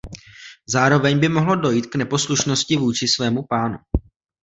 Zároveň by mohlo dojít k neposlušnosti vůči svému pánu.